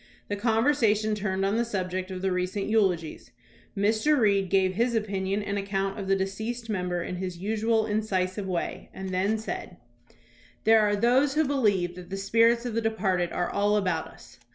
The con versation turned on the subject of the recent eulogies. Mr. Reed gave his opinion and account of the deceased member in his usual incisive way, and then said: THOMAS BRACKETT REED 201 "There are those who believe that the spirits of the departed are all about us.